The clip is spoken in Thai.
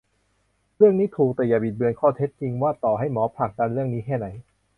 เรื่องนี้ถูก แต่อย่าบิดเบือนข้อเท็จจริงว่าต่อให้หมอผลักดันเรื่องนี้แค่ไหน